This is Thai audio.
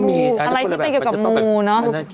อะไรที่ไปอยู่กับมูเนอะ